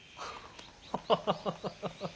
ハハハハハ。